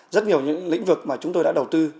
rất nhiều những lĩnh vực mà chúng tôi đã đầu tư